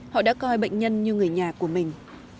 họ đã coi bệnh nhân như người nhà của mình